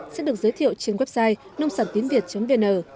sẽ được giới thiệu trên website nông sản tiến việt vn